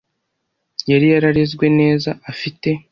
yari yararezwe neza, afite